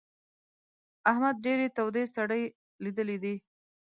احمد ډېرې تودې سړې ليدلې دي.